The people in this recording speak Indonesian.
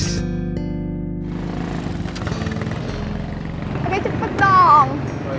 tapi cepet dong